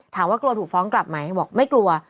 กลัวถูกฟ้องกลับไหมบอกไม่กลัว